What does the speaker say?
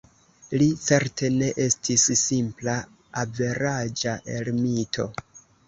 Li certe ne estis simpla, "averaĝa" ermito.